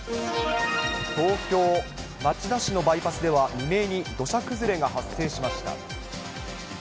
東京・町田市のバイパスでは、未明に土砂崩れが発生しました。